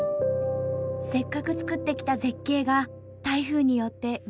せっかくつくってきた絶景が台風によって水の泡。